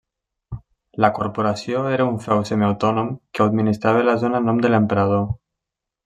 La Corporació era un feu semiautònom que administrava la zona en nom de l'emperador.